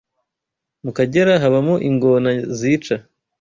Mu Kagera habamo ingona zica